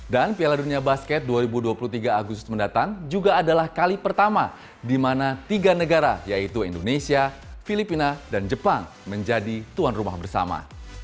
piala dunia basket dua ribu dua puluh tiga agustus mendatang juga adalah kali pertama di mana tiga negara yaitu indonesia filipina dan jepang menjadi tuan rumah bersama